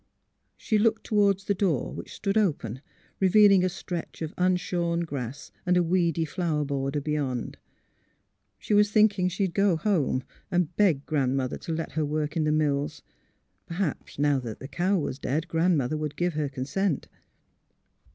She looked toward the door which stood open, revealing a stretch of unshorn grass and a weedy flower border beyond. She was thinking she would go home, and beg Grandmother to let her work in the mills. Perhaps, now that the cow was dead, Grandmother would give her consent.